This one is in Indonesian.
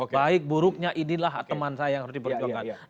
baik buruknya inilah teman saya yang harus diperjuangkan